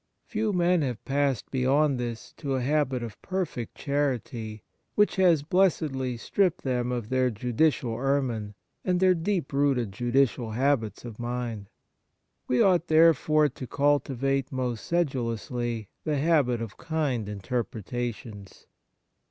Few men have passed beyond this to a habit of perfect charity, which has 56 Kindness blessedly stripped them of their judicial ermine and their deeply rooted judicial habits of mind. We ought, therefore, to cultivate most sedulously the habit of kind interpretations.